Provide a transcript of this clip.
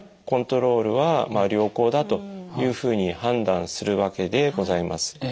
コントロールは良好だというふうに判断するわけでございます。